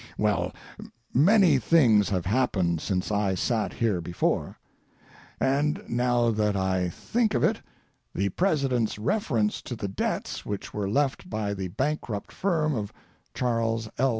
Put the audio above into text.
Well, many things have happened since I sat here before, and now that I think of it, the president's reference to the debts which were left by the bankrupt firm of Charles L.